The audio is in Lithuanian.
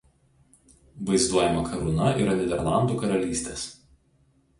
Vaizduojama karūna yra Nyderlandų Karalystės.